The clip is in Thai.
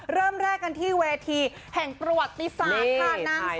เริ่มแรกกันที่เวทีแห่งประวัติศาสตร์ค่ะ